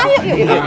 aku nyebek nih